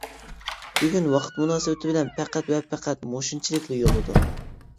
بۈگۈن ۋاقىت مۇناسىۋىتى بىلەن پەقەت ۋە پەقەت مۇشۇنچىلىكلا يوللىدىم.